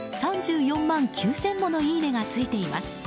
３４万９０００ものいいねがついています。